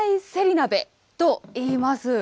鍋といいます。